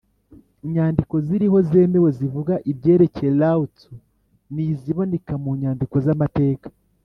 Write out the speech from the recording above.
inyandiko ziriho zemewe zivuga ibyerekeye lao-tzu ni iziboneka mu nyandiko z’amateka